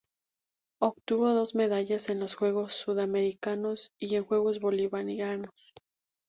Obtuvo dos medallas en los Juegos Suramericanos y en Juegos Bolivarianos.